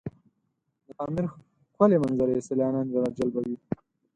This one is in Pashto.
د پامیر ښکلي منظرې سیلانیان راجلبوي.